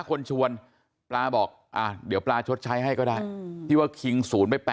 คนชวนปลาบอกเดี๋ยวปลาชดใช้ให้ก็ได้ที่ว่าคิง๐ไป๘